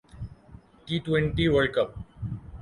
T twenty world ک